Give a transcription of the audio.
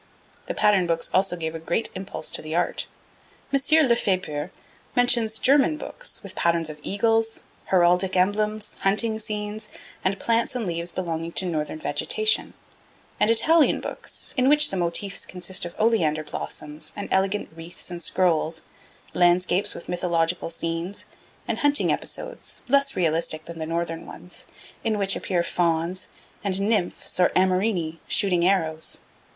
The pattern books also gave a great impulse to the art. M. Lefebure mentions German books with patterns of eagles, heraldic emblems, hunting scenes, and plants and leaves belonging to Northern vegetation; and Italian books, in which the motifs consist of oleander blossoms, and elegant wreaths and scrolls, landscapes with mythological scenes, and hunting episodes, less realistic than the Northern ones, in which appear fauns, and nymphs or amorini shooting arrows.